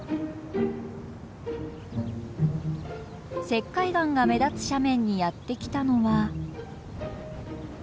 石灰岩が目立つ斜面にやって来たのは。